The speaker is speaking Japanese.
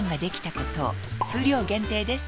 数量限定です